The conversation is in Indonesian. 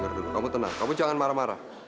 maksud kamu itu apa sih